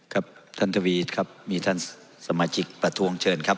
ครับท่านทวีครับมีท่านสมาชิกประท้วงเชิญครับ